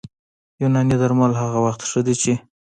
یوناني درمل هغه وخت ښه دي چې